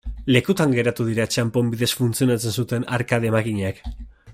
Lekutan geratu dira txanpon bidez funtzionatzen zuten arkade makinak.